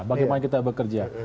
bagaimana kita bekerja